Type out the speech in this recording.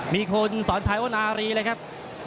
มีคนสอนชัยวนารีเลยครับ